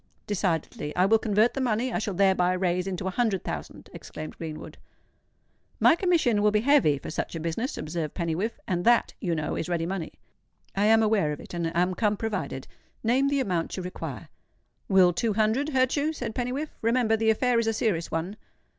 "Decidedly. I will convert the money I shall thereby raise into a hundred thousand," exclaimed Greenwood. "My commission will be heavy for such a business," observed Pennywhiffe; "and that, you know is ready money." "I am aware of it, and am come provided. Name the amount you require." "Will two hundred hurt you?" said Pennywhiffe. "Remember—the affair is a serious one."